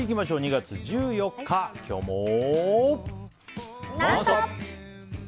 ２月１４日、今日も。